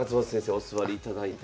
お座りいただいて。